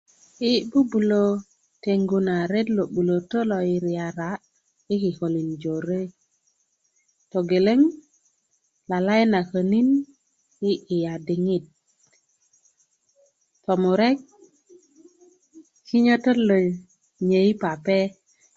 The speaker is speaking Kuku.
yi bubulö tengu na ret lo 'bulötö lo i riyar i kikolin jore togeleŋ lalai na könin i iya diŋit tomurek kinyötöt lo nyei pape